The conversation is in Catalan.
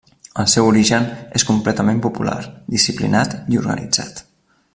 El seu origen és completament popular, disciplinat i organitzat.